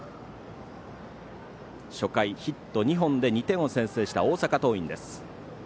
初回ヒット２本で２点を先制した大阪桐蔭です。